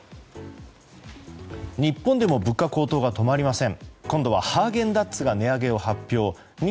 日本でも物価高騰が止まりません。